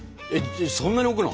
そんなに置くの？